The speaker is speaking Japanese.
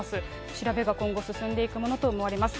調べが今後、進んでいくものと思われます。